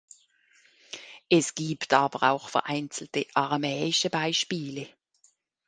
Es gibt aber auch vereinzelte aramäische Beispiele.